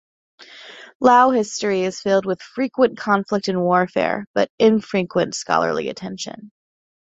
Lao history is filled with frequent conflict and warfare, but infrequent scholarly attention.